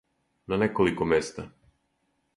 На неколико места.